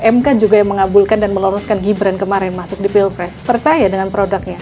mk juga yang mengabulkan dan meloloskan gibran kemarin masuk di pilpres percaya dengan produknya